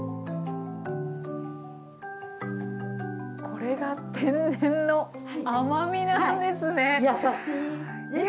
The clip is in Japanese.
これが天然の甘みなんですね。